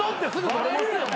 バレるやん。